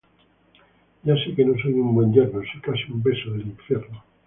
Ya sé que no soy un buen yerno, soy casi un beso del infierno.